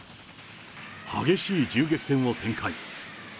激しい銃撃戦を展開。